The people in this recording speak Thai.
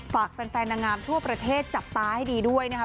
ฝากแฟนนางงามทั่วประเทศจับตาให้ดีด้วยนะครับ